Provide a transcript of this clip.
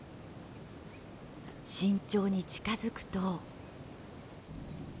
慎重に近づくと。